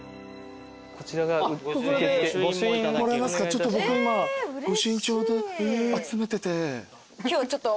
ちょっと僕今御朱印帳集めてて。